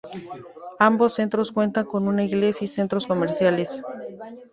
Ambos centros cuentan con una iglesia y centros comerciales.